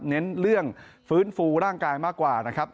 เน้นเรื่องฟื้นฟูร่างกายมากกว่านะครับ